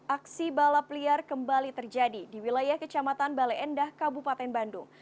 aksi balap liar kembali terjadi di wilayah kecamatan bale endah kabupaten bandung